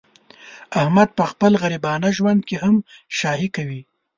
احمد په خپل غریبانه ژوند کې هم شاهي کوي.